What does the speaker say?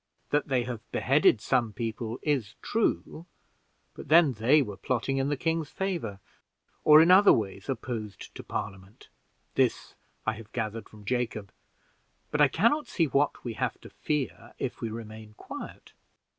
That they have beheaded some people it is true, but then they were plotting in the king's favor, or in other ways opposed to Parliament. This I have gathered from Jacob: but I can not see what we have to fear if we remain quiet.